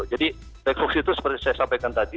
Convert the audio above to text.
jadi black spock itu seperti saya sampaikan tadi